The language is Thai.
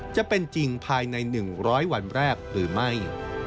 จะเป็นจริงภายในหนึ่งร้อยวันแรกหรือไม่